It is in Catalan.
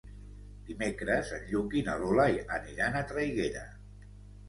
Dimecres en Lluc i na Lola aniran a Traiguera.